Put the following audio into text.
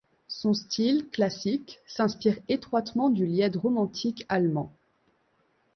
Son style, classique, s’inspire étroitement du lied romantique allemand.